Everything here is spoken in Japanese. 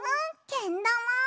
けんだま！